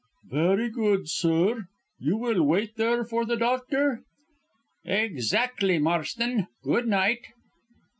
"Very good, sir. You will wait there for the Doctor?" "Exactly, Marston. Good night!"